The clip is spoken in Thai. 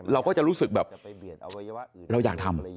เราก็จะรู้สึกแบบเราอยากทำ